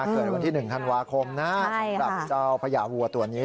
เกิดวันที่๑ธันวาคมนะสำหรับเจ้าพญาวัวตัวนี้